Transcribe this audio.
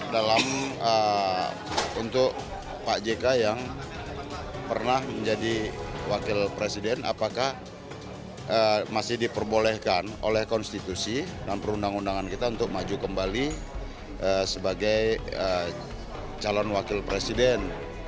dalam untuk pak jk yang pernah menjadi wakil presiden apakah masih diperbolehkan oleh konstitusi dan perundang undangan kita untuk maju kembali sebagai calon wakil presiden